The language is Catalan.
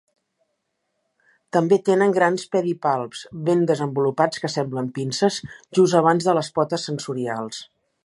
També tenen grans pedipalps ben desenvolupats que semblen pinces, just abans de les potes sensorials.